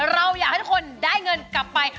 เราอยากให้ทุกคนได้เงินกลับไป